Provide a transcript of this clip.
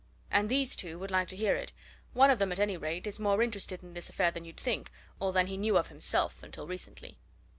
And these two would like to hear it one of them, at any rate, is more interested in this affair than you'd think or than he knew of himself until recently."